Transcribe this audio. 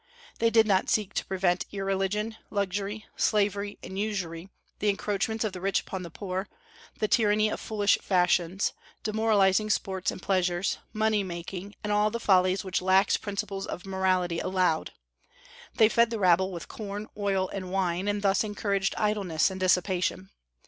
They did not seek to prevent irreligion, luxury, slavery, and usury, the encroachments of the rich upon the poor, the tyranny of foolish fashions, demoralizing sports and pleasures, money making, and all the follies which lax principles of morality allowed; they fed the rabble with corn, oil, and wine, and thus encouraged idleness and dissipation.